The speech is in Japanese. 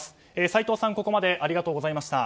斎藤さん、ここまでありがとうございました。